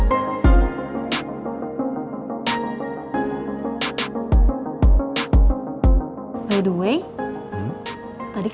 aku kan kayak pengen certainty